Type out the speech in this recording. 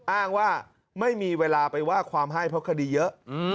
อ้างว่าไม่มีเวลาไปว่าความให้เพราะคดีเยอะ